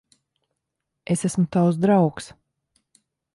Es esmu tavs draugs.